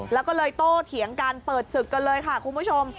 แล้วก็เลยโต้เถียงกันเปิดศึกกันเลยค่ะคุณผู้ชม